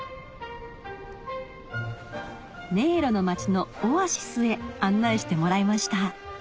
迷路の町のオアシスへ案内してもらいました